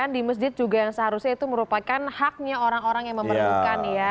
di masjid juga yang seharusnya itu merupakan haknya orang orang yang memerlukan ya